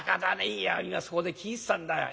いや今そこで聞いてたんだよ。